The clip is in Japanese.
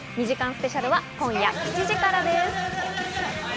２時間スペシャルは今夜７時からです。